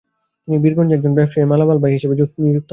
তিনি বীরগঞ্জে একজন ব্যবসায়ীর মালামালবাহী হিসেবে নিযুক্ত হন।